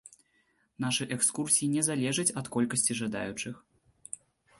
Нашы экскурсіі не залежаць ад колькасці жадаючых.